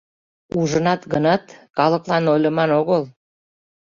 Ужынат гынат, калыклан ойлыман огыл...